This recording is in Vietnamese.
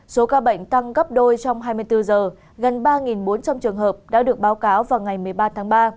số ca bệnh tăng gấp đôi trong hai mươi bốn giờ gần ba bốn trăm linh trường hợp đã được báo cáo vào ngày một mươi ba tháng ba